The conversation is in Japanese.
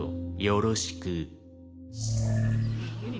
よろしく。